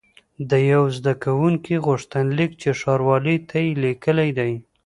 د یوه زده کوونکي غوښتنلیک چې ښاروالۍ ته یې لیکلی دی.